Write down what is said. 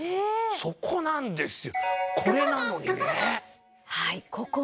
そうなんですよ。